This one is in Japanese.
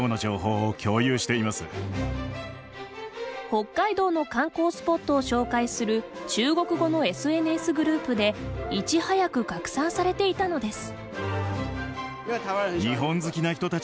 北海道の観光スポットを紹介する中国語のＳＮＳグループでいち早く拡散されていたのです。